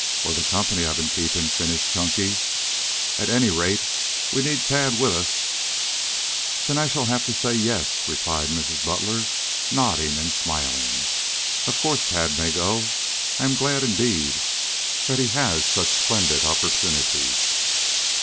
"Or the company I've been keeping," finished Chunky. "At any rate, we need Tad with us." "Then I shall have to say 'yes,'" replied Mrs. Butler, nodding and smiling. "Of course Tad may go. I am glad, indeed, that he has such splendid opportunities."